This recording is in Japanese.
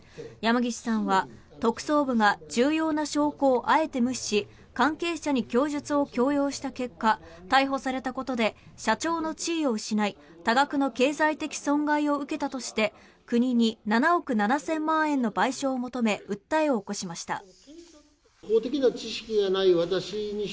山岸さんは特捜部が重要な証拠をあえて無視し関係者に供述を強要した結果逮捕されたことで社長の地位を失い多額の経済的損害を受けたとして国に７億７０００万円の賠償を求め訴えを起こしました。